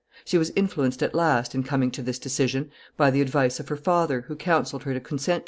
She was influenced at last, in coming to this decision, by the advice of her father, who counseled her to consent to the match.